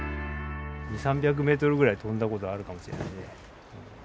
２００３００ｍぐらい飛んだことあるかもしれないね。